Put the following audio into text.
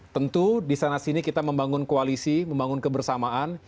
tentu di sana sini kita membangun koalisi membangun kebersamaan